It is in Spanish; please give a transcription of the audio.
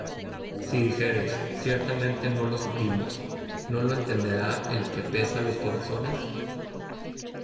Si dijeres: Ciertamente no lo supimos; ¿No lo entenderá el que pesa los corazones?